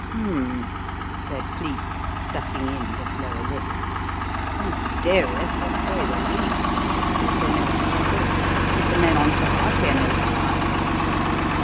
"Hum m m!" said Cleek, sucking in his lower lip. "Mysterious, to say the least. Was there no struggle? Did the men on guard hear no cry?"